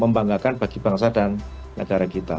membanggakan bagi bangsa dan negara kita